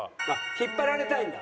引っ張られたいんだ。